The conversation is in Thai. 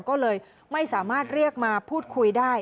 ก็เลยไม่สามารถเรียกมาพูดคุยได้